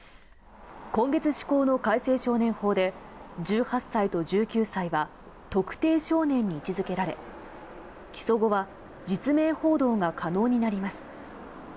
今月施行の改正少年法で１８歳と１９歳は特定少年に位置付けられ、起訴後は実名報道が可能になります。